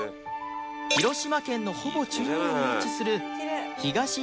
広島県のほぼ中央に位置する東広島市